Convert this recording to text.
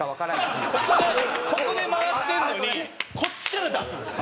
ここでここで回してるのにこっちから出すんですよ。